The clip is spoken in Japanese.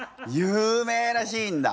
有名なシーンだ。